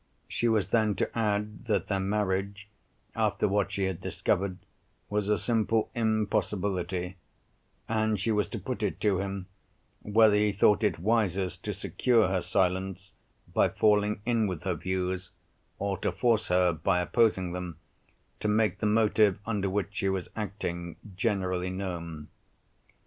She was then to add that their marriage, after what she had discovered, was a simple impossibility—and she was to put it to him, whether he thought it wisest to secure her silence by falling in with her views, or to force her, by opposing them, to make the motive under which she was acting generally known.